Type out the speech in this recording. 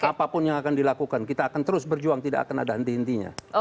apapun yang akan dilakukan kita akan terus berjuang tidak akan ada henti hentinya